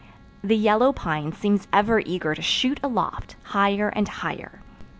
The yellow pine seems ever eager to shoot aloft, higher and higher.